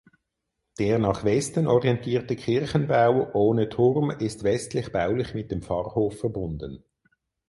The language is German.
Der nach Westen orientierte Kirchenbau ohne Turm ist westlich baulich mit dem Pfarrhof verbunden.